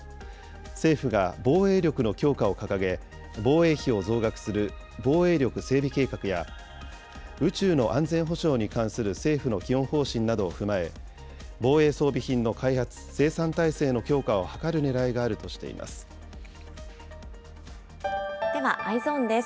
政府が防衛力の強化を掲げ、防衛費を増額する防衛力整備計画や、宇宙の安全保障に関する政府の基本方針などを踏まえ、防衛装備品の開発・生産体制の強化を図るねらいがあるとしていまでは、Ｅｙｅｓｏｎです。